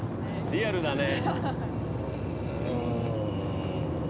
リアルだね。